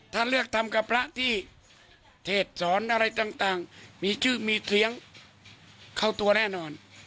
ถ้าเลือกทำกับพระที่เทศสอนอะไรต่างมีชื่อมีเสียงเข้าตัวแน่นอน